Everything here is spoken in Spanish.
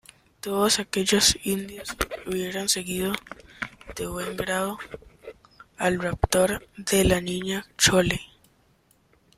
todos aquellos indios hubieran seguido de buen grado al raptor de la Niña Chole.